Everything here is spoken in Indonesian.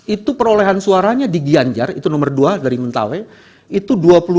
itu perolehan suaranya di gianjar itu nomor dua dari mentawai itu dua puluh lima